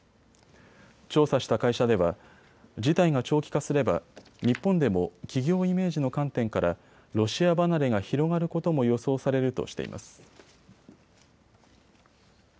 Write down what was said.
調査した会社では事態が長期化すれば日本でも企業イメージの観点からロシア離れが広がることも予想されるとしています。